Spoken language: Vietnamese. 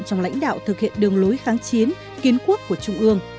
trong lãnh đạo thực hiện đường lối kháng chiến kiến quốc của trung ương